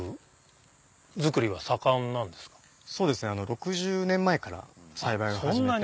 ６０年前から栽培を始めて。